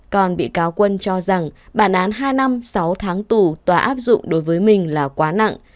còn bị cáo quân cho rằng bản án hai năm sáu tháng tù tòa áp dụng đối với mình là quá nặng